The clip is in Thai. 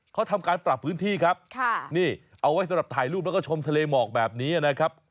เขาทำการปรับพื้นที่ครับนี่เอาไว้สำหรับถ่ายรูปแล้วก็ชมทะเลหมอกแบบนี้นะครับ